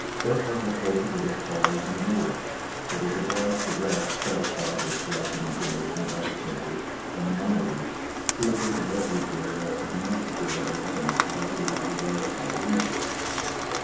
"] Burckhardt had hoped to get as far as Dingola, but was obliged to rest satisfied with collecting information about the country and the Mamelukes, who had taken refuge there after the massacre of their army by order of the viceroy of Egypt.